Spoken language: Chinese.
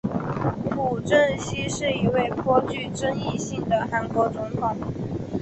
朴正熙是一位颇具争议性的韩国总统。